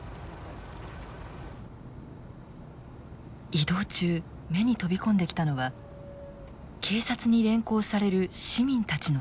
移動中目に飛び込んできたのは警察に連行される市民たちの姿。